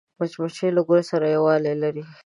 مچمچۍ له ګل سره یووالی لري